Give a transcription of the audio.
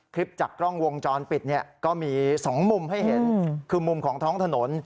คลิปจากกล้องวงจรปิดเนี่ยก็มี๒มุมให้เห็นคือมุมของท้องถนน